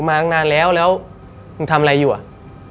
มาตั้งนานแล้วแล้วมึงทำอะไรอยู่อ่ะ